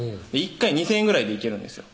１回２０００円ぐらいでいけるんですよ